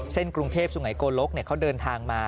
เส้นกรุงเทพศ์สุหัยโกลกเขาเดินทางมา